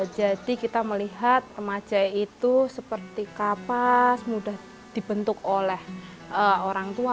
jadi kita melihat remaja itu seperti kapas mudah dibentuk oleh orang tua